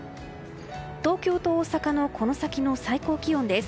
東京と大阪のこの先の最高気温です。